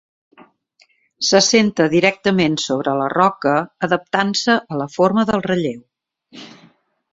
S'assenta directament sobre la roca, adaptant-se a la forma del relleu.